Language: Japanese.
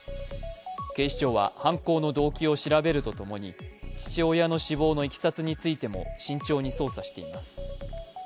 警視庁は、犯行の動機を調べるとともに父親の死亡のいきさつについても慎重に捜査しています。